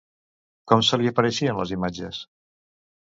Com se li apareixien les imatges?